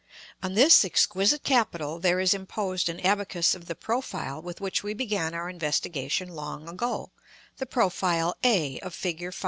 On this exquisite capital there is imposed an abacus of the profile with which we began our investigation long ago, the profile a of Fig.